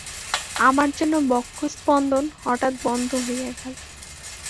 আমার যেন বক্ষঃস্পন্দন হঠাৎ বন্ধ হইয়া গেল।